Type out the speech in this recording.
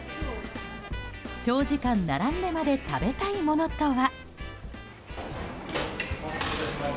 長時間並んでまで食べたいものは。